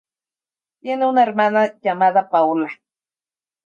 Tiene una hermana llamada Paola.